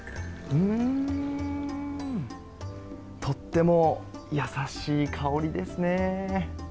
とっても優しい香りですね。